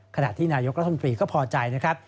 ขนาดที่นายกละทนปีก็พอใจนะครับ